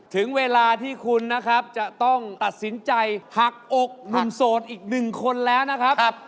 ถึงเวลาที่คุณนะครับจะต้องตัดสินใจหักอกหนุ่มโสดอีกหนึ่งคนแล้วนะครับ